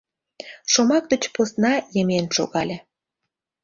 Шомак деч посна йымен шогале.